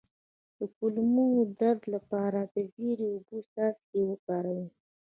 د کولمو د درد لپاره د زیرې او اوبو څاڅکي وکاروئ